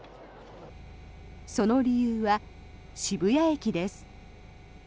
その理由は渋谷駅です。